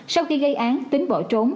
sau khi gây án tính bỏ trốn